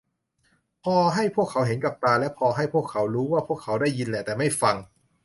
พอให้พวกเขาเห็นกับตา และพอให้พวกเรารู้ว่าพวกเขาได้ยินแหละ แต่ไม่ฟัง